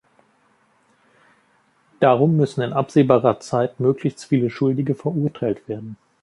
Darum müssen in absehbarer Zeit möglichst viele Schuldige verurteilt werden.